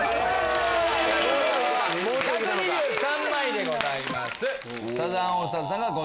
１２３枚でございます。